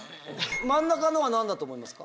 真ん中のは何だと思いますか？